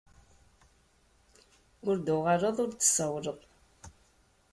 Ur d-tuɣaleḍ ur d-tsawleḍ.